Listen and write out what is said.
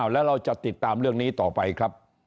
แล้วเราจะติดตามเรื่องนี้ต่อไปครับ